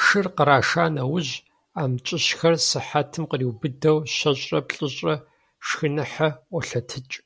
Шыр къраша нэужь, амкӀыщхэр сыхьэтым къриубыдэу щэщӏрэ-плӏыщӏрэ шхыныхьэ ӀуолъэтыкӀ.